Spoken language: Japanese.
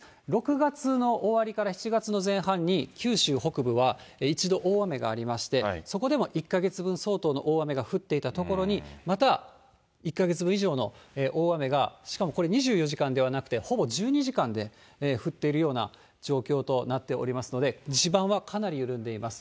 ６月の終わりから７月の前半に九州北部は一度、大雨がありまして、そこでも１か月分相当の大雨が降っていたところに、また、１か月分以上の大雨が、しかもこれ、２４時間ではなくて、ほぼ１２時間で降っているような状況となっておりますので、地盤はかなり緩んでいます。